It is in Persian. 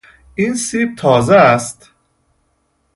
این سیب تازه است.